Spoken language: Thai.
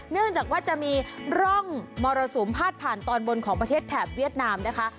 เนื่องจากว่าจะมีร่องมรสุมพาดผ่านตอนบนของประเทศแถบเวียดนามนะคะ